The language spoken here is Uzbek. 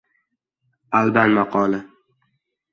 Alban maqoli